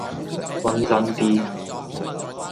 均真啲